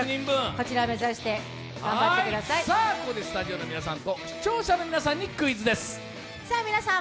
ここでスタジオの皆さんと視聴者の皆さんにクイズです。